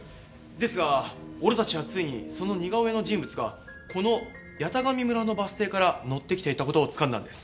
ですが俺たちはついにその似顔絵の人物がこの八咫神村のバス停から乗ってきていた事をつかんだんです。